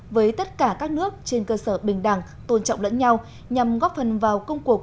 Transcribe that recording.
với tất cả các nước trên cơ sở bình đẳng tôn trọng lẫn nhau nhằm góp phần vào công cuộc